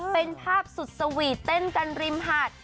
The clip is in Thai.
เป็นภาพสุดสวีทเต้นกันริมหาด